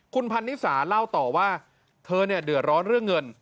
คุณพันนิสาเล่าต่อว่าเธอเนี่ยเดือดร้อนเรื่องเงิน